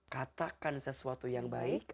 katakan sesuatu yang baik